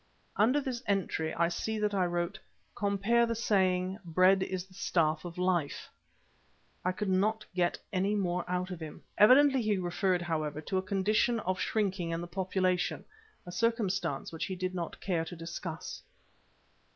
Under this entry I see that I wrote "Compare the saying, 'Bread is the staff of life.'" I could not get any more out of him. Evidently he referred, however, to a condition of shrinking in the population, a circumstance which he did not care to discuss.